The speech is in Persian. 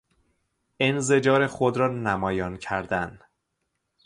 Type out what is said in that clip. انزجار خود را نمایان کردن